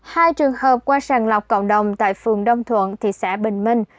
hai trường hợp qua sàng lọc cộng đồng tại phường đông thuận thị xã bình minh